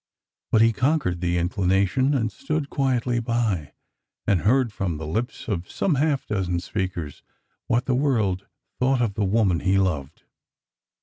But he conquered the inclination, and stood quietly by, and heard from the lips of some half dozen speakers what the world thought of the woman he loved.